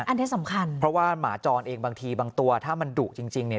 อันนี้สำคัญเพราะว่าหมาจรเองบางทีบางตัวถ้ามันดุจริงจริงเนี่ย